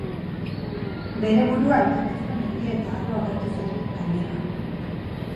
Bere burua aitortu zuen egile eta harro agertu zen, gainera.